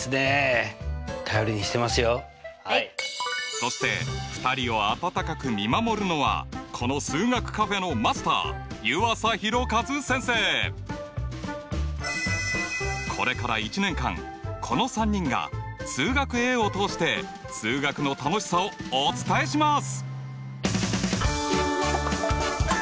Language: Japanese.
そして２人を温かく見守るのはこのこれから１年間この３人が「数学Ａ」を通して数学の楽しさをお伝えします。